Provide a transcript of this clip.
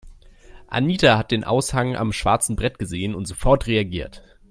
Anita hat den Aushang am schwarzen Brett gesehen und sofort reagiert.